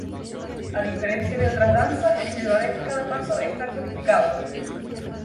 A diferencia de otras danzas, en el ballet cada paso está codificado.